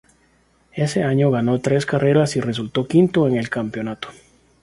Ese año ganó tres carreras y resultó quinto en el campeonato.